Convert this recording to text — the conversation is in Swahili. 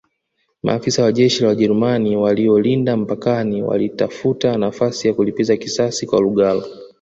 Maafisa wa jeshi la Wajerumani waliolinda mpakani walitafuta nafasi ya kulipiza kisasi kwa Lugalo